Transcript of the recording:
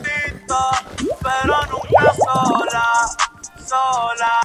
Una muchacha humilde, protegida por ricos, triunfa como concertista de piano.